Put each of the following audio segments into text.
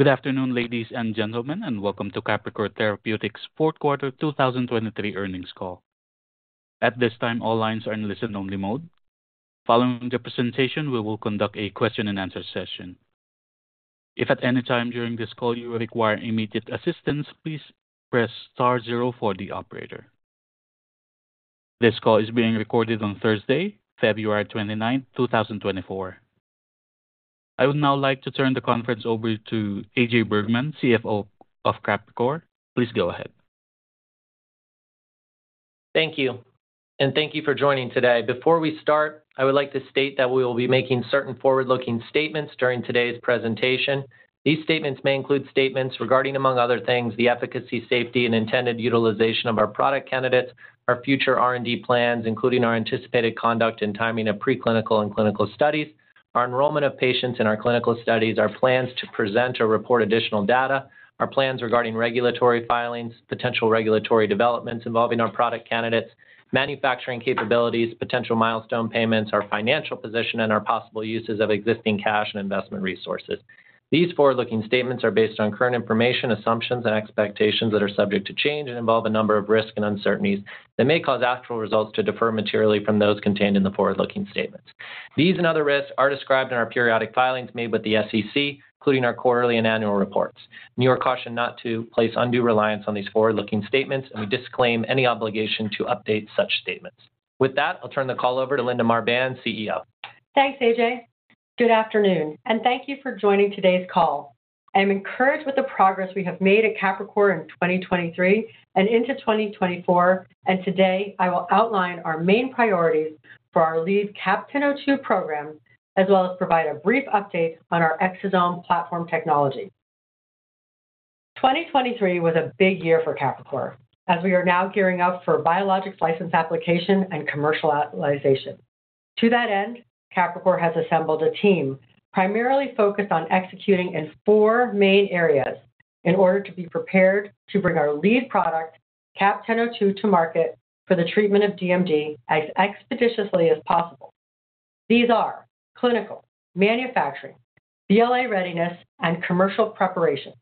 Good afternoon, ladies and gentlemen, and welcome to Capricor Therapeutics' fourth quarter 2023 earnings call. At this time, all lines are in listen-only mode. Following the presentation, we will conduct a question and answer session. If at any time during this call you require immediate assistance, please press star zero for the operator. This call is being recorded on Thursday, February 29th, 2024. I would now like to turn the conference over to AJ Bergmann, CFO of Capricor. Please go ahead. Thank you, and thank you for joining today. Before we start, I would like to state that we will be making certain forward-looking statements during today's presentation. These statements may include statements regarding, among other things, the efficacy, safety, and intended utilization of our product candidates, our future R&D plans, including our anticipated conduct and timing of preclinical and clinical studies, our enrollment of patients in our clinical studies, our plans to present or report additional data, our plans regarding regulatory filings, potential regulatory developments involving our product candidates, manufacturing capabilities, potential milestone payments, our financial position, and our possible uses of existing cash and investment resources. These forward-looking statements are based on current information, assumptions, and expectations that are subject to change and involve a number of risks and uncertainties that may cause actual results to differ materially from those contained in the forward-looking statements. These and other risks are described in our periodic filings made with the SEC, including our quarterly and annual reports. You are cautioned not to place undue reliance on these forward-looking statements, and we disclaim any obligation to update such statements. With that, I'll turn the call over to Linda Marbán, CEO. Thanks, AJ. Good afternoon, and thank you for joining today's call. I'm encouraged with the progress we have made at Capricor in 2023 and into 2024, and today I will outline our main priorities for our lead CAP-1002 program, as well as provide a brief update on our exosome platform technology. 2023 was a big year for Capricor, as we are now gearing up for Biologics License Application, and commercialization. To that end, Capricor has assembled a team primarily focused on executing in four main areas in order to be prepared to bring our lead product, CAP-1002, to market for the treatment of DMD as expeditiously as possible. These are clinical, manufacturing, BLA readiness, and commercial preparation.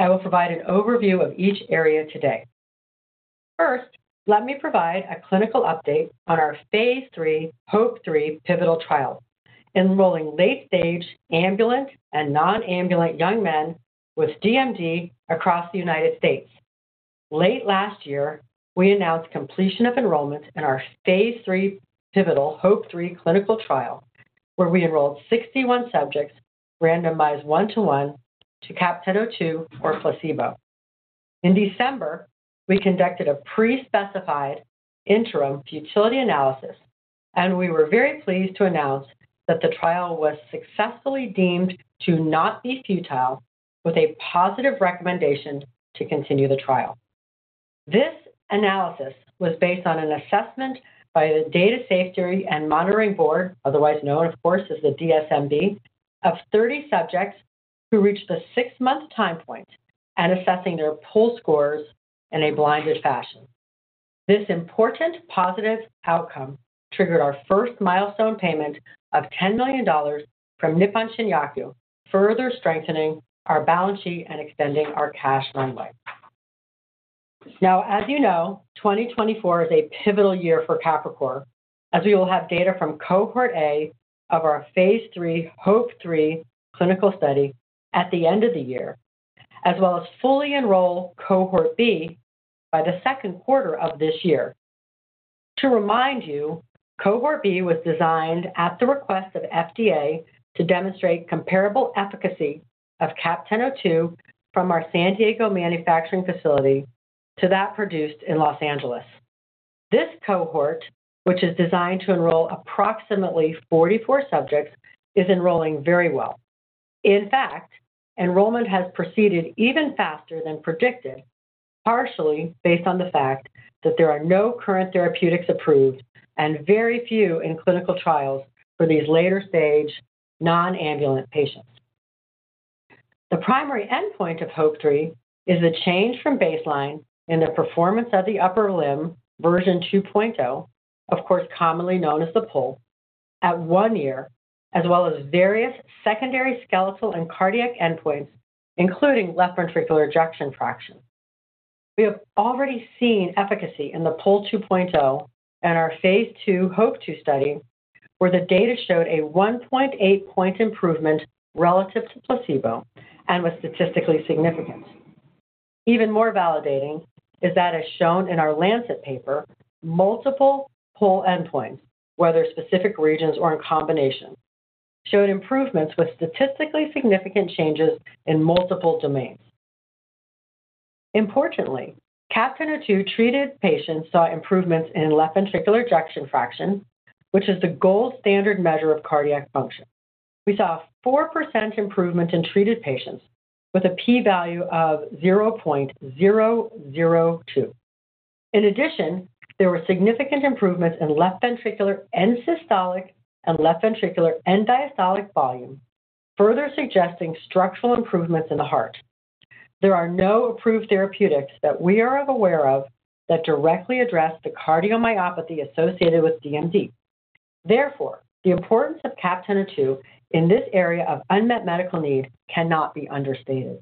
I will provide an overview of each area today. First, let me provide a clinical update on our phase III HOPE-3 pivotal trial, enrolling late-stage, ambulant, and non-ambulant young men with DMD across the United States. Late last year, we announced completion of enrollment in our phase III pivotal HOPE-3 clinical trial, where we enrolled 61 subjects randomized 1:1 to CAP-1002 or placebo. In December, we conducted a pre-specified interim futility analysis, and we were very pleased to announce that the trial was successfully deemed to not be futile, with a positive recommendation to continue the trial. This analysis was based on an assessment by the Data Safety and Monitoring Board, otherwise known, of course, as the DSMB, of 30 subjects who reached the six-month time point and assessing their PUL scores in a blinded fashion. This important positive outcome triggered our first milestone payment of $10 million from Nippon Shinyaku, further strengthening our balance sheet and extending our cash runway. Now, as you know, 2024 is a pivotal year for Capricor, as we will have data from Cohort A of our phase III HOPE-3 clinical study at the end of the year, as well as fully enroll Cohort B by the second quarter of this year. To remind you, Cohort B was designed at the request of FDA to demonstrate comparable efficacy of CAP-1002 from our San Diego manufacturing facility to that produced in Los Angeles. This cohort, which is designed to enroll approximately 44 subjects, is enrolling very well. In fact, enrollment has proceeded even faster than predicted, partially based on the fact that there are no current therapeutics approved and very few in clinical trials for these later-stage, non-ambulant patients. The primary endpoint of HOPE-3 is the change from baseline in the Performance of the Upper Limb version 2.0, of course, commonly known as the PUL, at 1 year, as well as various secondary skeletal and cardiac endpoints, including left ventricular ejection fraction. We have already seen efficacy in the PUL 2.0 and our phase II HOPE-2 study, where the data showed a 1.8-point improvement relative to placebo and was statistically significant. Even more validating is that, as shown in our Lancet paper, multiple whole endpoints, whether specific regions or in combination, showed improvements with statistically significant changes in multiple domains. Importantly, CAP-1002-treated patients saw improvements in left ventricular ejection fraction, which is the gold standard measure of cardiac function. We saw a 4% improvement in treated patients with a p-value of 0.002. In addition, there were significant improvements in left ventricular end-systolic and left ventricular end-diastolic volume, further suggesting structural improvements in the heart. There are no approved therapeutics that we are aware of that directly address the cardiomyopathy associated with DMD. Therefore, the importance of CAP-1002 in this area of unmet medical need cannot be understated.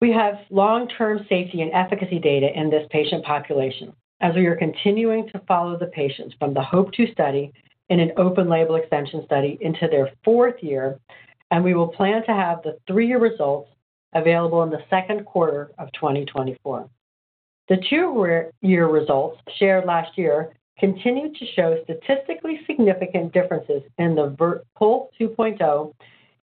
We have long-term safety and efficacy data in this patient population, as we are continuing to follow the patients from the HOPE-2 study in an open-label extension study into their fourth year, and we will plan to have the 3-year results available in the second quarter of 2024. The two-year results shared last year continued to show statistically significant differences in the PUL 2.0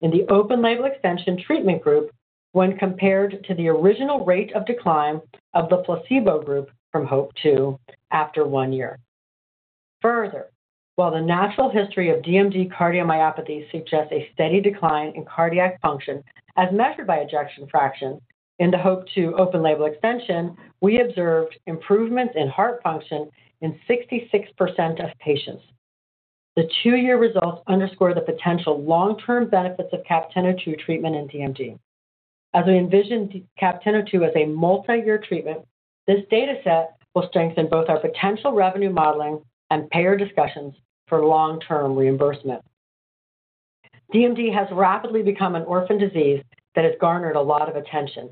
in the open label extension treatment group when compared to the original rate of decline of the placebo group from HOPE-2 after one year. Further, while the natural history of DMD cardiomyopathy suggests a steady decline in cardiac function as measured by ejection fraction, in the HOPE-2 open label extension, we observed improvements in heart function in 66% of patients. The two-year results underscore the potential long-term benefits of CAP-1002 treatment in DMD. As we envision CAP-1002 as a multi-year treatment, this data set will strengthen both our potential revenue modeling and payer discussions for long-term reimbursement. DMD has rapidly become an orphan disease that has garnered a lot of attention,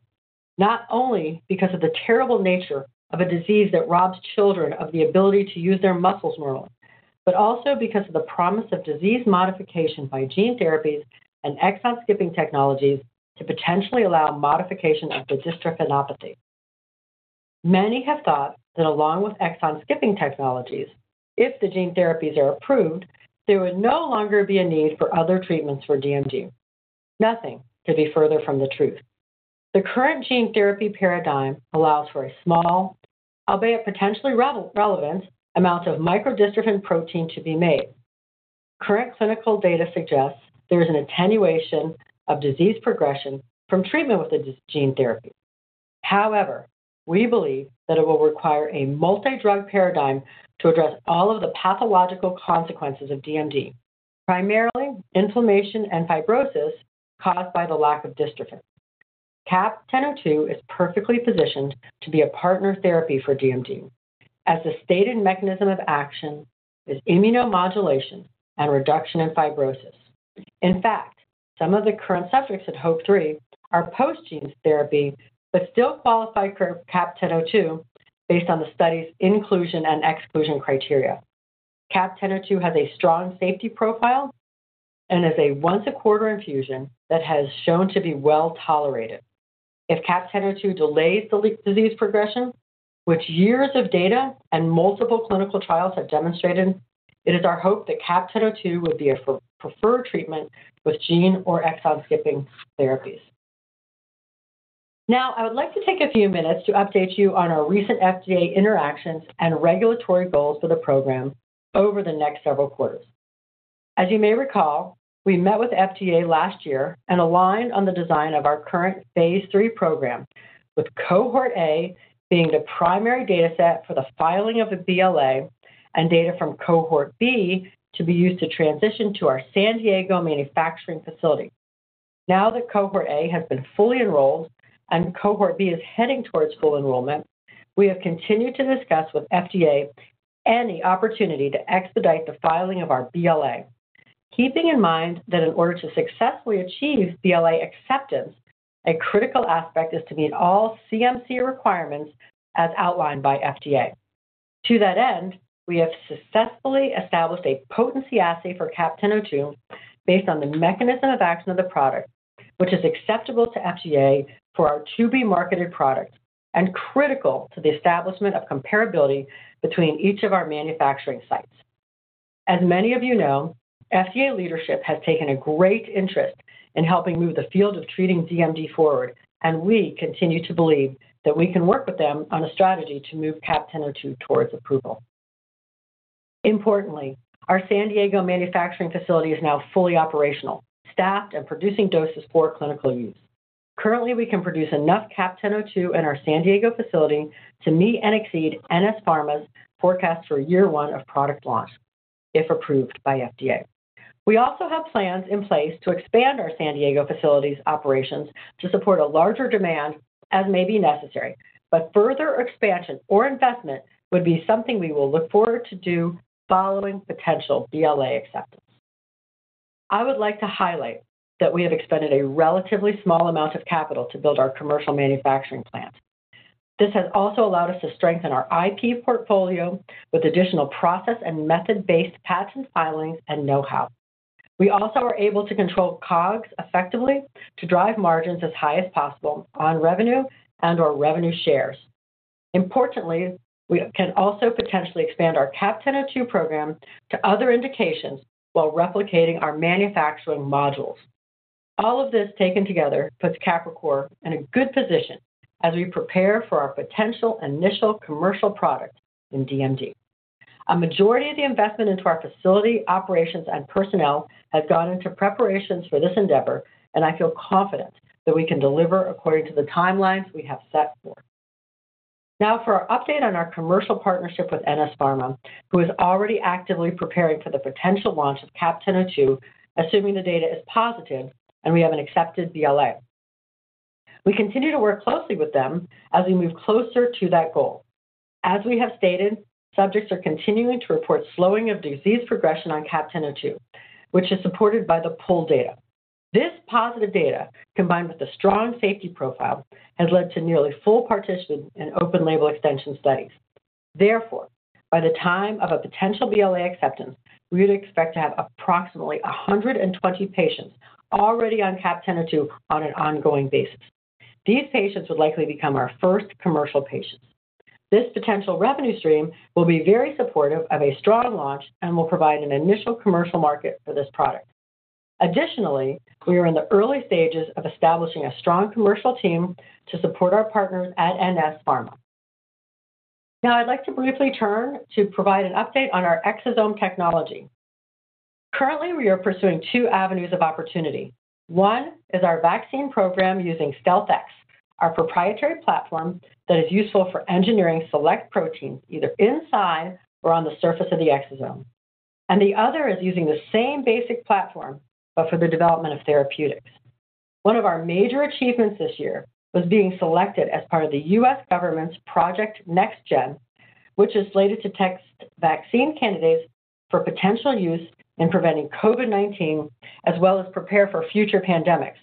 not only because of the terrible nature of a disease that robs children of the ability to use their muscles well, but also because of the promise of disease modification by gene therapies and exon skipping technologies to potentially allow modification of the dystrophinopathy. Many have thought that along with exon skipping technologies, if the gene therapies are approved, there would no longer be a need for other treatments for DMD. Nothing could be further from the truth. The current gene therapy paradigm allows for a small, albeit potentially relevant, amount of micro dystrophin protein to be made. Current clinical data suggests there is an attenuation of disease progression from treatment with a gene therapy. However, we believe that it will require a multi-drug paradigm to address all of the pathological consequences of DMD, primarily inflammation and fibrosis caused by the lack of dystrophin. CAP-1002 is perfectly positioned to be a partner therapy for DMD, as the stated mechanism of action is immunomodulation and reduction in fibrosis. In fact, some of the current subjects at HOPE-3 are post-gene therapy but still qualify for CAP-1002 based on the study's inclusion and exclusion criteria. CAP-1002 has a strong safety profile and is a once-a-quarter infusion that has shown to be well-tolerated. If CAP-1002 delays the disease progression, which years of data and multiple clinical trials have demonstrated, it is our hope that CAP-1002 would be a preferred treatment with gene or exon skipping therapies. Now, I would like to take a few minutes to update you on our recent FDA interactions and regulatory goals for the program over the next several quarters. As you may recall, we met with FDA last year and aligned on the design of our current phase III program, with Cohort A being the primary data set for the filing of the BLA, and data from Cohort B to be used to transition to our San Diego manufacturing facility. Now that Cohort A has been fully enrolled and Cohort B is heading towards full enrollment, we have continued to discuss with FDA any opportunity to expedite the filing of our BLA. Keeping in mind that in order to successfully achieve BLA acceptance, a critical aspect is to meet all CMC requirements as outlined by FDA. To that end, we have successfully established a potency assay for CAP-1002 based on the mechanism of action of the product, which is acceptable to FDA for our to-be-marketed product and critical to the establishment of comparability between each of our manufacturing sites. As many of you know, FDA leadership has taken a great interest in helping move the field of treating DMD forward, and we continue to believe that we can work with them on a strategy to move CAP-1002 towards approval. Importantly, our San Diego manufacturing facility is now fully operational, staffed and producing doses for clinical use. Currently, we can produce enough CAP-1002 in our San Diego facility to meet and exceed NS Pharma's forecast for year one of product launch, if approved by FDA. We also have plans in place to expand our San Diego facility's operations to support a larger demand as may be necessary, but further expansion or investment would be something we will look forward to do following potential BLA acceptance. I would like to highlight that we have expended a relatively small amount of capital to build our commercial manufacturing plant. This has also allowed us to strengthen our IP portfolio with additional process and method-based patent filings and know-how. We also are able to control COGS effectively to drive margins as high as possible on revenue and or revenue shares. Importantly, we can also potentially expand our CAP-1002 program to other indications while replicating our manufacturing modules. All of this taken together, puts Capricor in a good position as we prepare for our potential initial commercial product in DMD. A majority of the investment into our facility, operations, and personnel has gone into preparations for this endeavor, and I feel confident that we can deliver according to the timelines we have set forth. Now for our update on our commercial partnership with NS Pharma, who is already actively preparing for the potential launch of CAP-1002, assuming the data is positive and we have an accepted BLA. We continue to work closely with them as we move closer to that goal. As we have stated, subjects are continuing to report slowing of disease progression on CAP-1002, which is supported by the PUL data. This positive data, combined with the strong safety profile, has led to nearly full participation in open label extension studies. Therefore, by the time of a potential BLA acceptance, we would expect to have approximately 120 patients already on CAP-1002 on an ongoing basis. These patients would likely become our first commercial patients. This potential revenue stream will be very supportive of a strong launch and will provide an initial commercial market for this product. Additionally, we are in the early stages of establishing a strong commercial team to support our partners at NS Pharma. Now, I'd like to briefly turn to provide an update on our exosome technology. Currently, we are pursuing two avenues of opportunity. One is our vaccine program using StealthX, our proprietary platform that is useful for engineering select proteins, either inside or on the surface of the exosome. The other is using the same basic platform, but for the development of therapeutics. One of our major achievements this year, was being selected as part of the U.S. government's Project NextGen, which is slated to test vaccine candidates for potential use in preventing COVID-19, as well as prepare for future pandemics.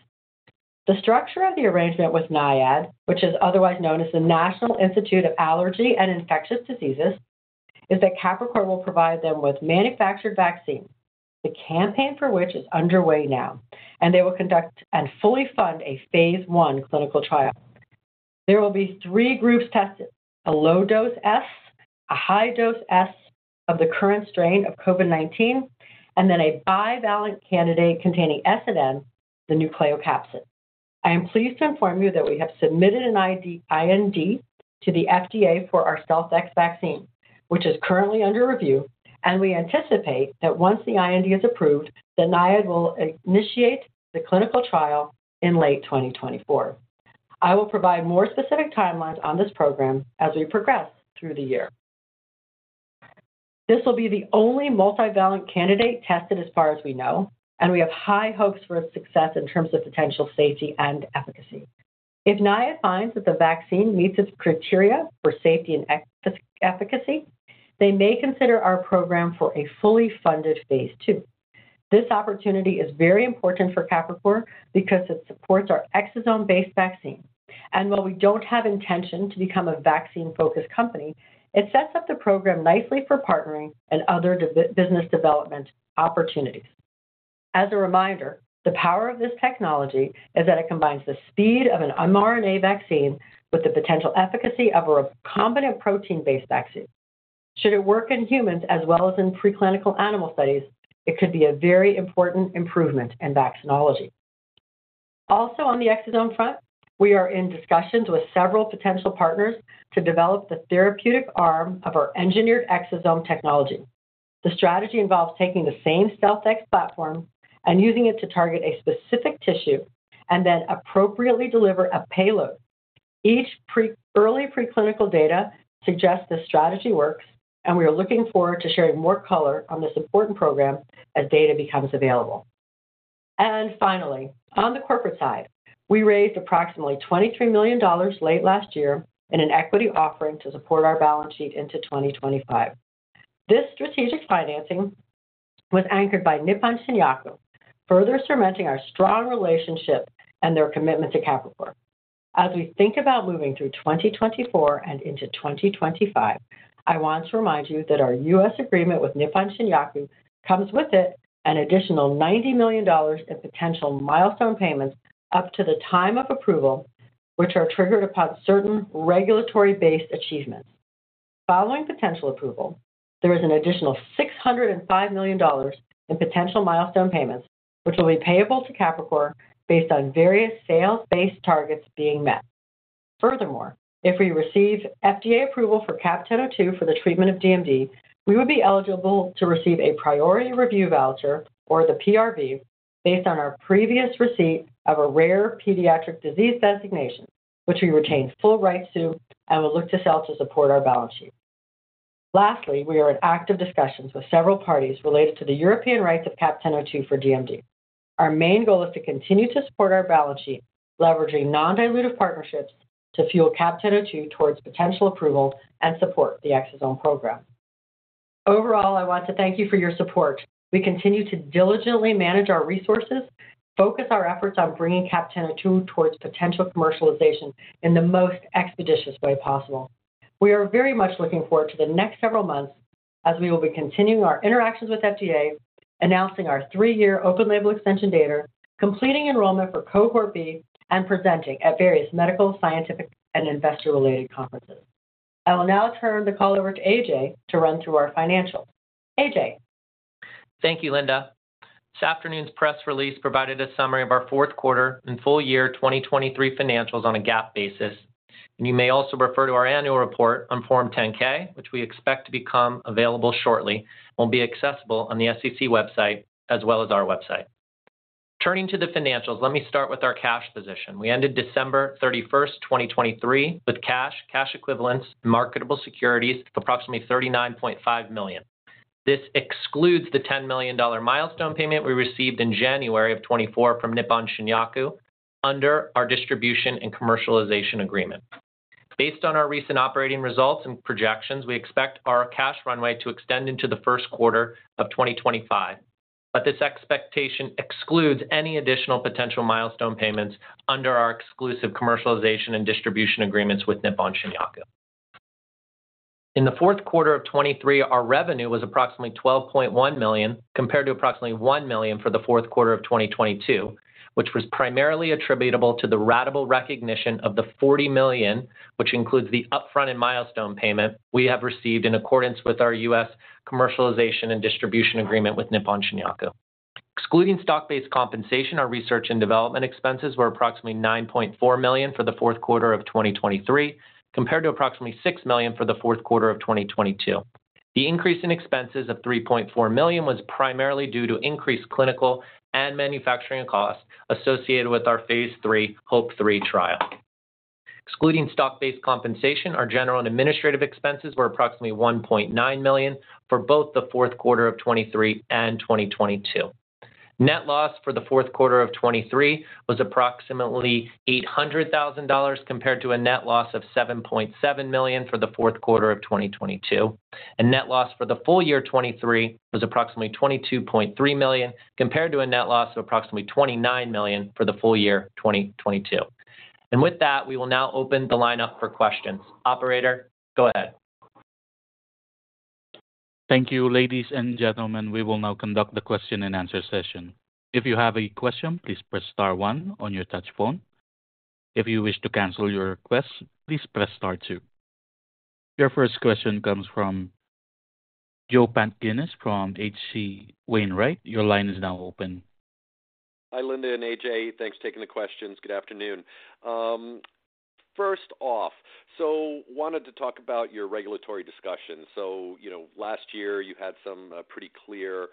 The structure of the arrangement with NIAID, which is otherwise known as the National Institute of Allergy and Infectious Diseases, is that Capricor will provide them with manufactured vaccines, the campaign for which is underway now, and they will conduct and fully fund a phase I clinical trial. There will be three groups tested: a low-dose S, a high-dose S of the current strain of COVID-19, and then a bivalent candidate containing S and N, the nucleocapsid. I am pleased to inform you that we have submitted an IND to the FDA for our StealthX vaccine, which is currently under review, and we anticipate that once the IND is approved, then NIAID will initiate the clinical trial in late 2024. I will provide more specific timelines on this program as we progress through the year. This will be the only multivalent candidate tested as far as we know, and we have high hopes for its success in terms of potential safety and efficacy. If NIAID finds that the vaccine meets its criteria for safety and efficacy, they may consider our program for a fully funded phase II. This opportunity is very important for Capricor because it supports our exosome-based vaccine. And while we don't have intention to become a vaccine-focused company, it sets up the program nicely for partnering and other business development opportunities. As a reminder, the power of this technology is that it combines the speed of an mRNA vaccine with the potential efficacy of a recombinant protein-based vaccine. Should it work in humans as well as in preclinical animal studies, it could be a very important improvement in vaccinology. Also, on the exosome front, we are in discussions with several potential partners to develop the therapeutic arm of our engineered exosome technology. The strategy involves taking the same StealthX platform and using it to target a specific tissue and then appropriately deliver a payload. Early preclinical data suggests this strategy works, and we are looking forward to sharing more color on this important program as data becomes available. Finally, on the corporate side, we raised approximately $23 million late last year in an equity offering to support our balance sheet into 2025. This strategic financing was anchored by Nippon Shinyaku, further cementing our strong relationship and their commitment to Capricor. As we think about moving through 2024 and into 2025, I want to remind you that our U.S. agreement with Nippon Shinyaku comes with it an additional $90 million in potential milestone payments up to the time of approval, which are triggered upon certain regulatory-based achievements. Following potential approval, there is an additional $605 million in potential milestone payments, which will be payable to Capricor based on various sales-based targets being met. Furthermore, if we receive FDA approval for CAP-1002 for the treatment of DMD, we would be eligible to receive a priority review voucher, or the PRV, based on our previous receipt of a rare pediatric disease designation, which we retain full rights to and will look to sell to support our balance sheet. Lastly, we are in active discussions with several parties related to the European rights of CAP-1002 for DMD. Our main goal is to continue to support our balance sheet, leveraging non-dilutive partnerships to fuel CAP-1002 towards potential approval and support the exosome program. Overall, I want to thank you for your support. We continue to diligently manage our resources, focus our efforts on bringing CAP-1002 towards potential commercialization in the most expeditious way possible. We are very much looking forward to the next several months as we will be continuing our interactions with FDA, announcing our three-year open label extension data, completing enrollment for Cohort B, and presenting at various medical, scientific, and investor-related conferences. I will now turn the call over to AJ to run through our financials. AJ? Thank you, Linda. This afternoon's press release provided a summary of our fourth quarter and full year 2023 financials on a GAAP basis, and you may also refer to our annual report on Form 10-K, which we expect to become available shortly, and will be accessible on the SEC website as well as our website. Turning to the financials, let me start with our cash position. We ended December 31, 2023, with cash, cash equivalents, marketable securities of approximately $39.5 million. This excludes the $10 million milestone payment we received in January 2024 from Nippon Shinyaku, under our distribution and commercialization agreement. Based on our recent operating results and projections, we expect our cash runway to extend into the first quarter of 2025, but this expectation excludes any additional potential milestone payments under our exclusive commercialization and distribution agreements with Nippon Shinyaku. In the fourth quarter of 2023, our revenue was approximately $12.1 million, compared to approximately $1 million for the fourth quarter of 2022, which was primarily attributable to the ratable recognition of the $40 million, which includes the upfront and milestone payment we have received in accordance with our U.S. commercialization and distribution agreement with Nippon Shinyaku. Excluding stock-based compensation, our research and development expenses were approximately $9.4 million for the fourth quarter of 2023, compared to approximately $6 million for the fourth quarter of 2022. The increase in expenses of $3.4 million was primarily due to increased clinical and manufacturing costs associated with our phase III HOPE-3 trial. Excluding stock-based compensation, our general and administrative expenses were approximately $1.9 million for both the fourth quarter of 2023 and 2022. Net loss for the fourth quarter of 2023 was approximately $800,000, compared to a net loss of $7.7 million for the fourth quarter of 2022, and net loss for the full year 2023 was approximately $22.3 million, compared to a net loss of approximately $29 million for the full year 2022. With that, we will now open the lineup for questions. Operator, go ahead. Thank you, ladies and gentlemen. We will now conduct the question and answer session. If you have a question, please press star one on your touch phone. If you wish to cancel your request, please press star two. Your first question comes from Joe Pantginis from H.C. Wainwright. Your line is now open. Hi, Linda and AJ. Thanks for taking the questions. Good afternoon. First off, so wanted to talk about your regulatory discussions. So you know, last year you had some pretty clear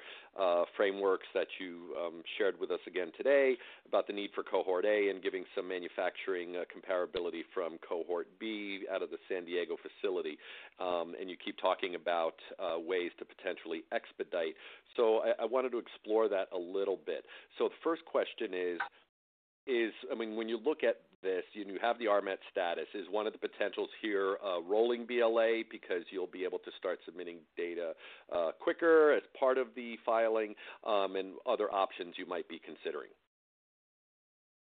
frameworks that you shared with us again today about the need for Cohort A and giving some manufacturing comparability from Cohort B out of the San Diego facility. And you keep talking about ways to potentially expedite. So I wanted to explore that a little bit. So the first question is, I mean, when you look at this, and you have the RMAT status, is one of the potentials here rolling BLA because you'll be able to start submitting data quicker as part of the filing, and other options you might be considering?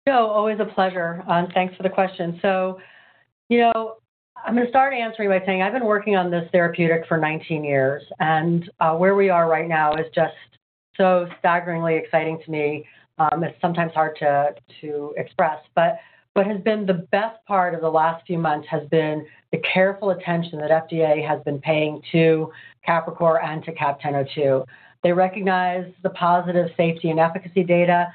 Joe, always a pleasure. Thanks for the question. So, you know, I'm going to start answering by saying I've been working on this therapeutic for 19 years, and where we are right now is just so staggeringly exciting to me. It's sometimes hard to express, but what has been the best part of the last few months has been the careful attention that FDA has been paying to Capricor and to CAP-1002. They recognize the positive safety and efficacy data.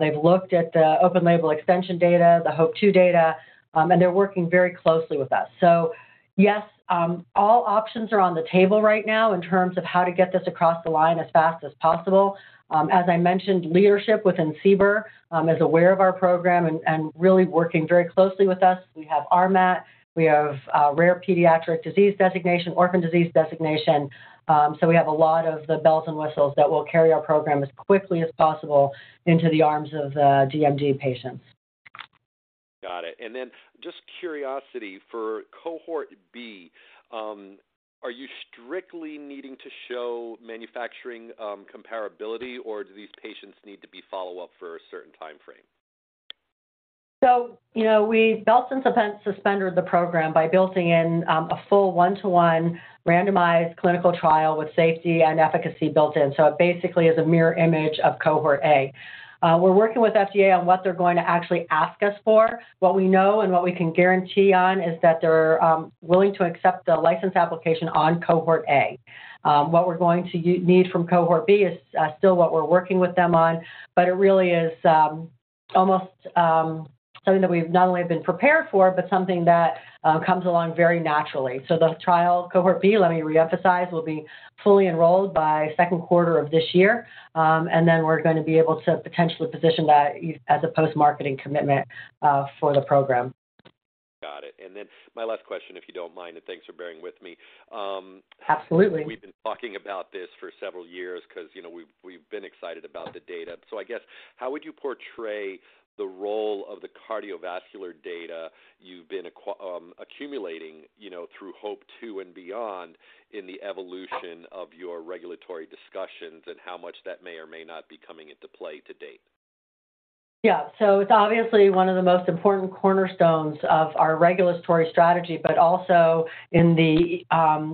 They've looked at the open label extension data, the HOPE-2 data, and they're working very closely with us. So yes, all options are on the table right now in terms of how to get this across the line as fast as possible. As I mentioned, leadership within CBER is aware of our program and really working very closely with us. We have RMAT, we have rare pediatric disease designation, orphan disease designation. So we have a lot of the bells and whistles that will carry our program as quickly as possible into the arms of the DMD patients. Got it. And then just curiosity, for Cohort B, are you strictly needing to show manufacturing comparability, or do these patients need to be follow-up for a certain time frame? So, you know, we belt and suspender the program by building in a full 1:1 randomized clinical trial with safety and efficacy built in. So it basically is a mirror image of Cohort A. We're working with FDA on what they're going to actually ask us for. What we know and what we can guarantee on is that they're willing to accept the license application on Cohort A. What we're going to need from Cohort B is still what we're working with them on, but it really is almost something that we've not only been prepared for, but something that comes along very naturally. So the trial Cohort B, let me reemphasize, will be fully enrolled by second quarter of this year. And then we're going to be able to potentially position that as a post-marketing commitment for the program. Got it. And then my last question, if you don't mind, and thanks for bearing with me, Absolutely. We've been talking about this for several years because, you know, we've, we've been excited about the data. So I guess, how would you portray the role of the cardiovascular data you've been accumulating, you know, through HOPE-2 and beyond, in the evolution of your regulatory discussions and how much that may or may not be coming into play to date? Yeah. So it's obviously one of the most important cornerstones of our regulatory strategy, but also in the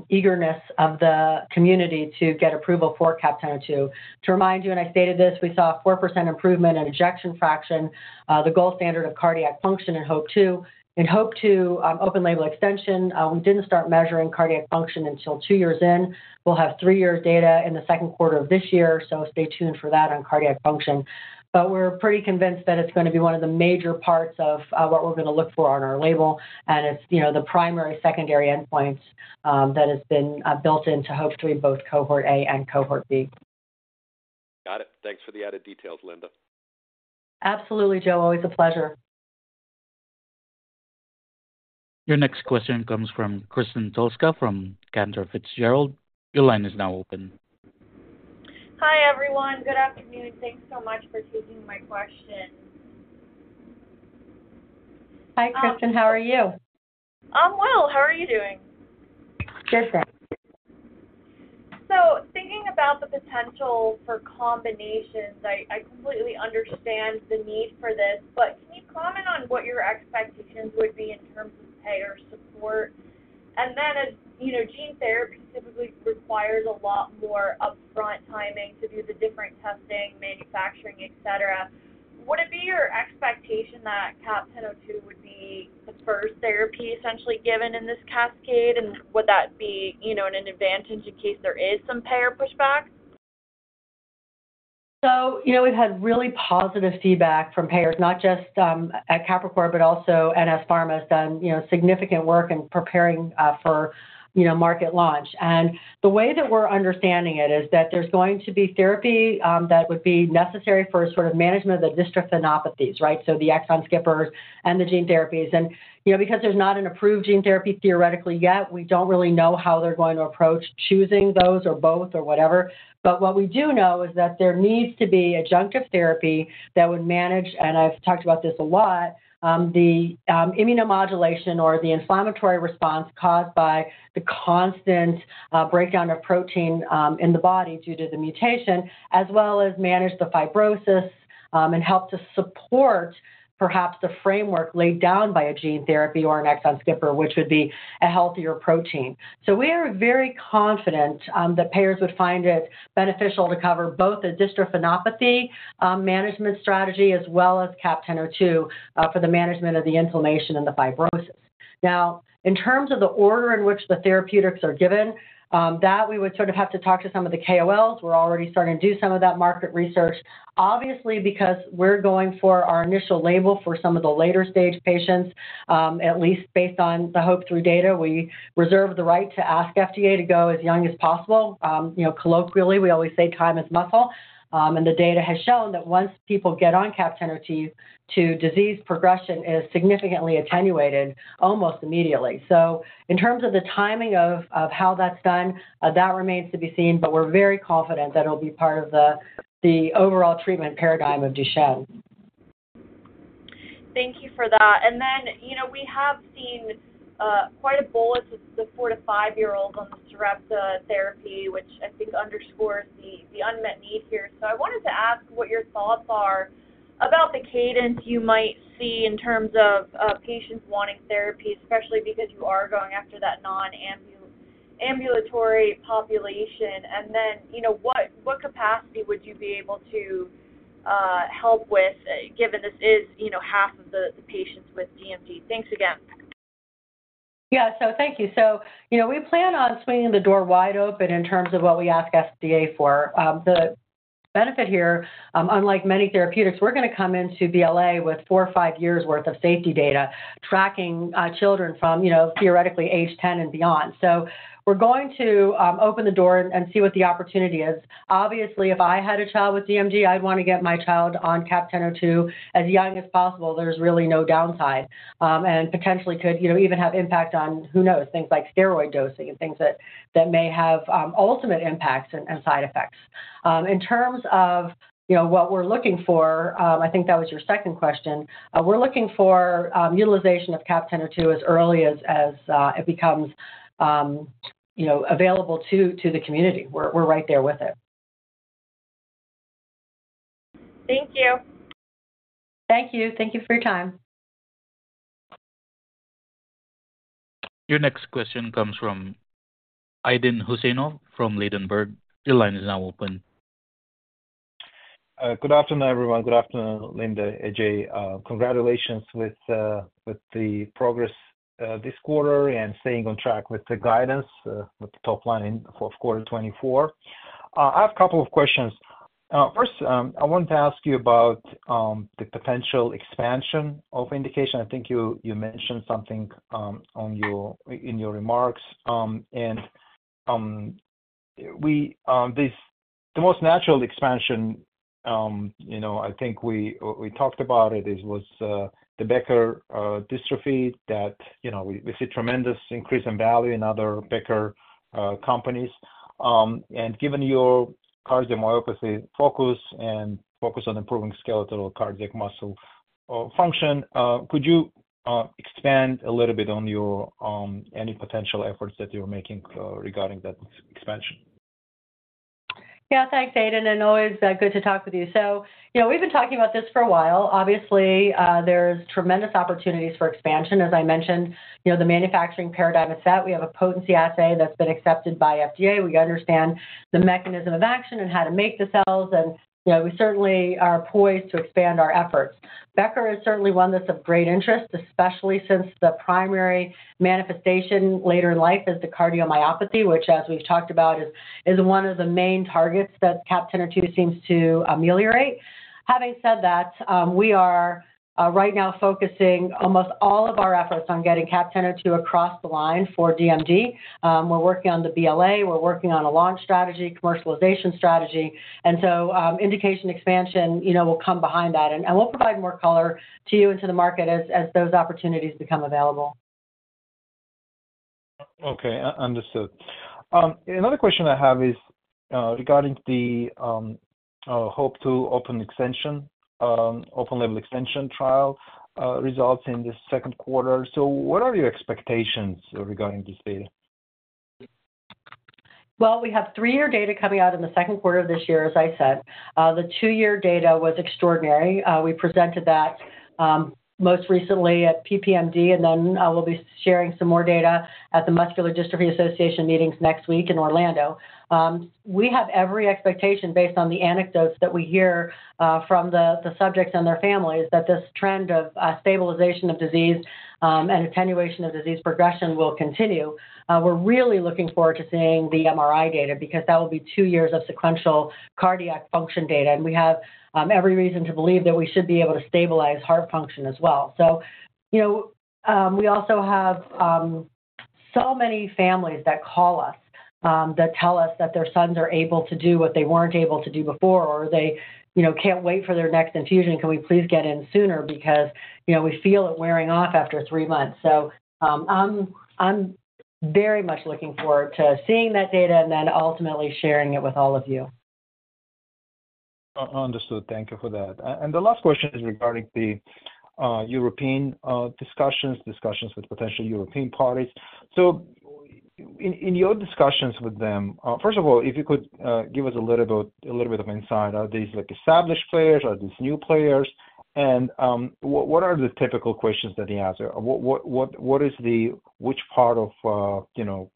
eagerness of the community to get approval for CAP-1002. To remind you, and I stated this, we saw a 4% improvement in ejection fraction, the gold standard of cardiac function in HOPE-2. In HOPE-2 open label extension, we didn't start measuring cardiac function until 2 years in. We'll have 3-year data in the second quarter of this year, so stay tuned for that on cardiac function. But we're pretty convinced that it's going to be one of the major parts of what we're going to look for on our label, and it's, you know, the primary/secondary endpoints that has been built into HOPE-3, both Cohort A and Cohort B. Got it. Thanks for the added details, Linda. Absolutely, Joe. Always a pleasure. Your next question comes from Kristen Kluska from Cantor Fitzgerald. Your line is now open. Hi, everyone. Good afternoon. Thanks so much for taking my question. Hi, Kristen. How are you? I'm well. How are you doing? Good, thanks. Thinking about the potential for combinations, I completely understand the need for this, but can you comment on what your expectations would be in terms of payer support? Then as, you know, gene therapy typically requires a lot more upfront timing to do the different testing, manufacturing, et cetera. Would it be your expectation that CAP-1002 would be the first therapy essentially given in this cascade? And would that be, you know, an advantage in case there is some payer pushback? So, you know, we've had really positive feedback from payers, not just at Capricor, but also NS Pharma has done, you know, significant work in preparing for, you know, market launch. And the way that we're understanding it is that there's going to be therapy that would be necessary for sort of management of the dystrophinopathies, right? So the exon skippers and the gene therapies, and, you know, because there's not an approved gene therapy, theoretically, yet, we don't really know how they're going to approach choosing those or both or whatever. But what we do know is that there needs to be adjunctive therapy that would manage, and I've talked about this a lot, the immunomodulation or the inflammatory response caused by the constant breakdown of protein in the body due to the mutation, as well as manage the fibrosis and help to support perhaps the framework laid down by a gene therapy or an exon skipper, which would be a healthier protein. So we are very confident that payers would find it beneficial to cover both the dystrophinopathy management strategy, as well as CAP-1002, for the management of the inflammation and the fibrosis. Now, in terms of the order in which the therapeutics are given, that we would sort of have to talk to some of the KOLs. We're already starting to do some of that market research. Obviously, because we're going for our initial label for some of the later-stage patients, at least based on the HOPE-2 data, we reserve the right to ask FDA to go as young as possible. You know, colloquially, we always say, "Time is muscle." And the data has shown that once people get on CAP-1002, the disease progression is significantly attenuated almost immediately. So in terms of the timing of how that's done, that remains to be seen, but we're very confident that it'll be part of the overall treatment paradigm of Duchenne. Thank you for that. And then, you know, we have seen quite a bolus to the 4-5-year-olds on the Sarepta therapy, which I think underscores the unmet need here. So I wanted to ask what your thoughts are about the cadence you might see in terms of patients wanting therapy, especially because you are going after that non-ambulatory population. And then, you know, what capacity would you be able to help with, given this is, you know, half of the patients with DMD? Thanks again. Yeah. So thank you. So, you know, we plan on swinging the door wide open in terms of what we ask FDA for. The benefit here, unlike many therapeutics, we're gonna come into BLA with four or five years' worth of safety data, tracking children from, you know, theoretically, age 10 and beyond. So we're going to open the door and see what the opportunity is. Obviously, if I had a child with DMD, I'd want to get my child on CAP-1002 as young as possible. There's really no downside, and potentially could, you know, even have impact on, who knows, things like steroid dosing and things that, that may have ultimate impacts and side effects. In terms of, you know, what we're looking for, I think that was your second question. We're looking for utilization of CAP-1002 as early as it becomes, you know, available to the community. We're right there with it. Thank you. Thank you. Thank you for your time. Your next question comes from Aydin Huseynov from Ladenburg. Your line is now open. Good afternoon, everyone. Good afternoon, Linda, AJ. Congratulations with the progress this quarter and staying on track with the guidance with the top line in for quarter 2024. I have a couple of questions. First, I wanted to ask you about the potential expansion of indication. I think you mentioned something on your... In your remarks. And this-- the most natural expansion, you know, I think we talked about it, it was the Becker dystrophy that, you know, we see tremendous increase in value in other Becker companies. And given your cardiomyopathy focus and focus on improving skeletal cardiac muscle function, could you expand a little bit on your any potential efforts that you're making regarding that expansion? Yeah. Thanks, Aydin, and always, good to talk with you. So, you know, we've been talking about this for a while. Obviously, there's tremendous opportunities for expansion. As I mentioned, you know, the manufacturing paradigm is set. We have a potency assay that's been accepted by FDA. We understand the mechanism of action and how to make the cells, and, you know, we certainly are poised to expand our efforts. Becker is certainly one that's of great interest, especially since the primary manifestation later in life is the cardiomyopathy, which, as we've talked about, is one of the main targets that CAP-1002 seems to ameliorate. Having said that, we are, right now focusing almost all of our efforts on getting CAP-1002 across the line for DMD. We're working on the BLA, we're working on a launch strategy, commercialization strategy, and so, indication expansion, you know, will come behind that. We'll provide more color to you and to the market as those opportunities become available. Okay, understood. Another question I have is regarding the HOPE-2 open label extension trial results in the second quarter. So what are your expectations regarding this data? Well, we have three-year data coming out in the second quarter of this year, as I said. The two-year data was extraordinary. We presented that most recently at PPMD, and then we'll be sharing some more data at the Muscular Dystrophy Association meetings next week in Orlando. We have every expectation, based on the anecdotes that we hear from the subjects and their families, that this trend of stabilization of disease and attenuation of disease progression will continue. We're really looking forward to seeing the MRI data, because that will be 2 years of sequential cardiac function data. We have every reason to believe that we should be able to stabilize heart function as well. So, you know, we also have so many families that call us that tell us that their sons are able to do what they weren't able to do before, or they, you know, can't wait for their next infusion. Can we please get in sooner? Because, you know, we feel it wearing off after three months. So, I'm very much looking forward to seeing that data and then ultimately sharing it with all of you. Understood. Thank you for that. And the last question is regarding the European discussions with potential European parties. So in your discussions with them, first of all, if you could give us a little bit of insight. Are these, like, established players? Are these new players? And what are the typical questions that they ask? Or what is the which part of, you know,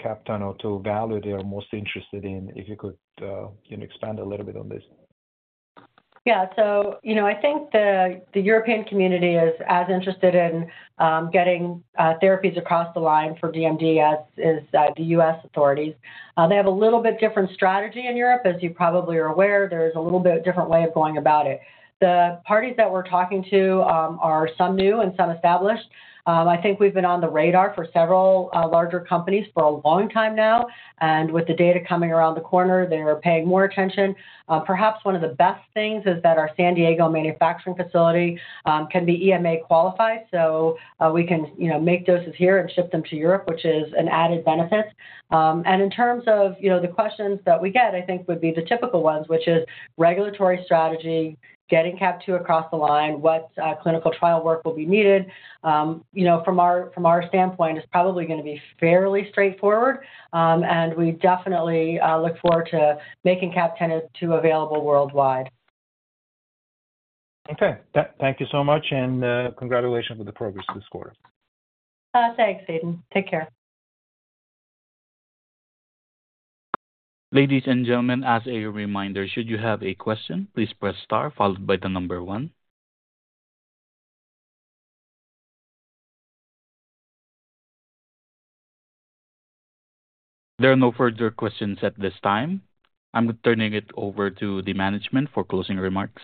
CAP-1002 value they are most interested in? If you could, you know, expand a little bit on this. Yeah. So, you know, I think the European community is as interested in getting therapies across the line for DMD as is the U.S. authorities. They have a little bit different strategy in Europe, as you probably are aware. There's a little bit different way of going about it. The parties that we're talking to are some new and some established. I think we've been on the radar for several larger companies for a long time now, and with the data coming around the corner, they are paying more attention. Perhaps one of the best things is that our San Diego manufacturing facility can be EMA qualified, so we can, you know, make doses here and ship them to Europe, which is an added benefit. And in terms of, you know, the questions that we get, I think would be the typical ones, which is regulatory strategy, getting CAP-1002 across the line, what clinical trial work will be needed. You know, from our standpoint, it's probably gonna be fairly straightforward. And we definitely look forward to making CAP-1002 available worldwide. Okay. Thank you so much, and congratulations on the progress this quarter. Thanks, Aydin. Take care. Ladies and gentlemen, as a reminder, should you have a question, please press star followed by one. There are no further questions at this time. I'm turning it over to the management for closing remarks.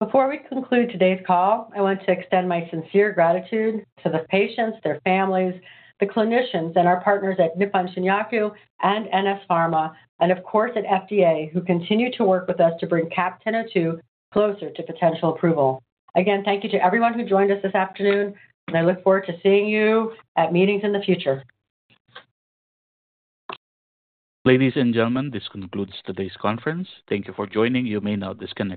Before we conclude today's call, I want to extend my sincere gratitude to the patients, their families, the clinicians and our partners at Nippon Shinyaku and NS Pharma, and of course, at FDA, who continue to work with us to bring CAP-1002 closer to potential approval. Again, thank you to everyone who joined us this afternoon, and I look forward to seeing you at meetings in the future. Ladies and gentlemen, this concludes today's conference. Thank you for joining. You may now disconnect.